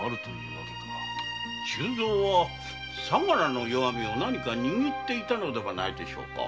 周蔵は相良の弱みを何か握っていたのではないでしょうか？